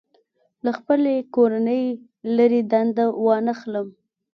له خپلې کورنۍ لرې دنده وانخلم.